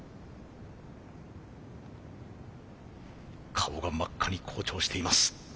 顔が真っ赤に紅潮しています。